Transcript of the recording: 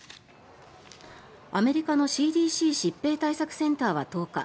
アメリカのＣＤＣ・疾病対策センターは１０日